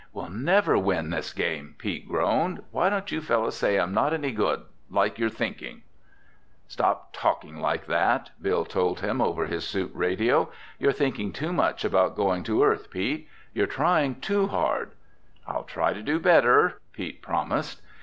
"We'll never win this game!" Pete groaned. "Why don't you fellows say I'm not any good—like you're thinking!" "Stop talking like that!" Bill told him over his suit radio. "You're thinking too much about going to Earth, Pete. You're trying too hard!" "I'll try to do better," Pete promised.